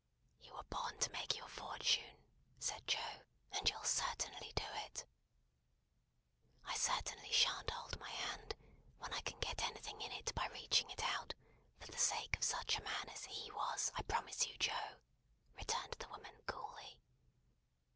"You were born to make your fortune," said Joe, "and you'll certainly do it." "I certainly shan't hold my hand, when I can get anything in it by reaching it out, for the sake of such a man as He was, I promise you, Joe," returned the woman coolly.